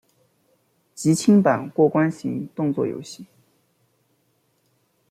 即清版过关型动作游戏。